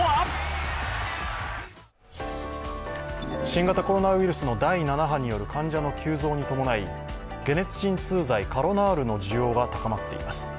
新型コロナウイルスの第７波による患者の急増に伴い、解熱鎮痛剤、カロナールの需要が高まっています。